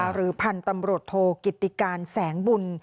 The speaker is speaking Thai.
หรือพันธุ์ตำรวจโทกิติการแสงบุญ